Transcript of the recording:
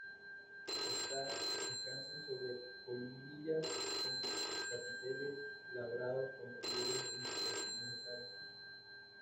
Estas descansan sobre columnillas con capiteles, labrados con relieves de inspiración vegetal.